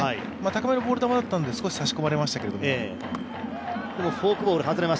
高めのボール球だったので少し差し込まれましたけれども。